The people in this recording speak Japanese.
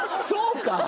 そうか？